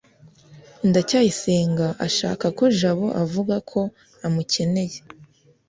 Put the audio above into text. ndacyayisenga ashaka ko jabo avuga ko amukeneye